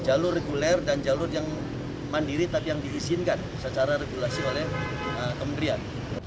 jalur reguler dan jalur yang mandiri tapi yang diizinkan secara regulasi oleh kementerian